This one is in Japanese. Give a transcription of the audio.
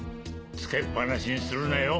つけっ放しにするなよ